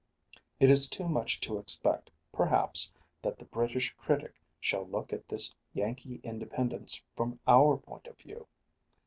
It is too much to expect, perhaps, that the British critic shall look at this Yankee independence from our point of view.